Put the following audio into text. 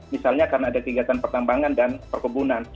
misalnya karena ada kegiatan pertambangan dan perkebunan